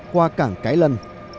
qua cảng cái lân